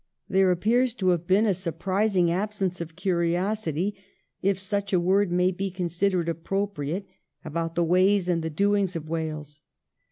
There appears to have been a surprising absence of curiosity — if such a word may be con sidered appropriate — about the ways and the doings of Wales.